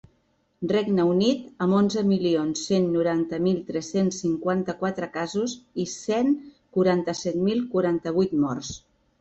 Regne Unit, amb onze milions cent noranta mil tres-cents cinquanta-quatre casos i cent quaranta-set mil quaranta-vuit morts.